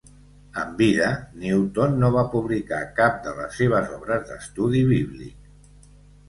En vida, Newton no va publicar cap de les seves obres d'estudi bíblic.